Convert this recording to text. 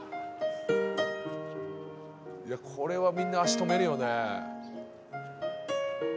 これはみんな足止めるよね。